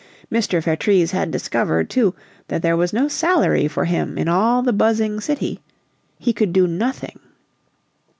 Mr. Vertrees had discovered, too, that there was no salary for him in all the buzzing city he could do nothing.